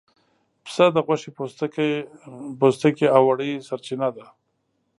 پسه د غوښې، پوستکي او وړۍ سرچینه ده.